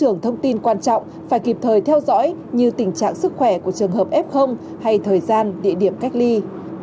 những thông tin quan trọng phải kịp thời theo dõi như tình trạng sức khỏe của trường hợp f hay thời gian địa điểm cách ly